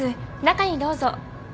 中にどうぞ。